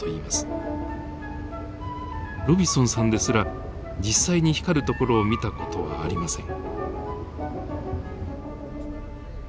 ロビソンさんですら実際に光るところを見た事はありません。